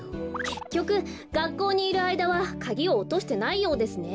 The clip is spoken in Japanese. けっきょくがっこうにいるあいだはカギをおとしてないようですね。